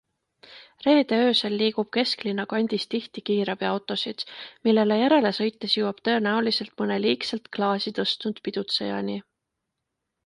Reede öösel liigub kesklinna kandis tihti kiirabiautosid, millele järele sõites jõuab tõenäoliselt mõne liigselt klaasi tõstnud pidutsejani.